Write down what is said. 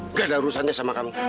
nggak ada urusannya sama kamu